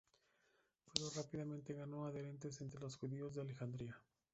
Pero rápidamente ganó adherentes entre los judíos de Alejandría.